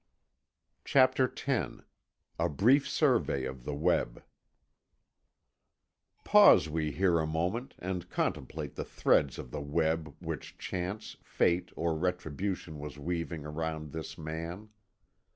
CHAPTER X A BRIEF SURVEY OF THE WEB Pause we here a moment, and contemplate the threads of the web which Chance, Fate, or Retribution was weaving round this man.